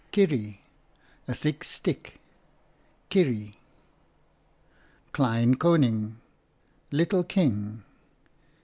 Kierie, a thick stick. Klein koning, little king.